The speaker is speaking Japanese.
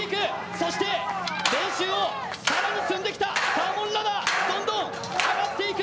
そして練習を更に積んできたサーモンラダーどんどん上がっていく。